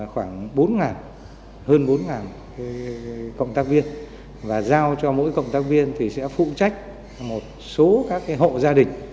khoảng bốn hơn bốn công tác viên và giao cho mỗi công tác viên sẽ phụ trách một số các hộ gia đình